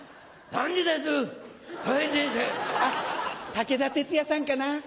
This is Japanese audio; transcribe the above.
武田鉄矢さんかな？